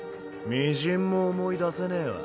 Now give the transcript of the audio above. みじんも思い出せねぇわ。